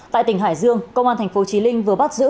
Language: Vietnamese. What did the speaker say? tại tỉnh hải dương công an tp chí linh vừa bắt giữ